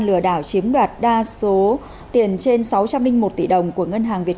lừa đảo chiếm đoạt đa số tiền trên sáu trăm linh một tỷ đồng của ngân hàng việt